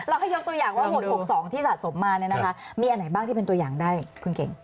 ให้ยกตัวอย่างว่าหมวด๖๒ที่สะสมมาเนี่ยนะคะมีอันไหนบ้างที่เป็นตัวอย่างได้คุณเก่ง